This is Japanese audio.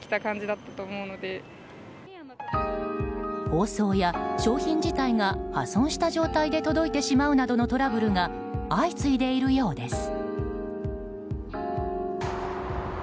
包装や商品自体が破損した状態で届いてしまうなどのトラブルが相次いでいるようです。